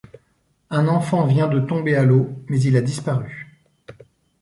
Un enfant vient de tomber à l’eau, mais il a disparu.